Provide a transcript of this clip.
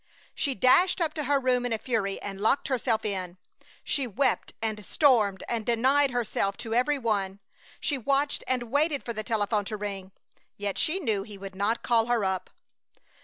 She dashed up to her room in a fury and locked herself in. She wept and stormed and denied herself to every one; she watched and waited for the telephone to ring, yet she knew he would not call her up!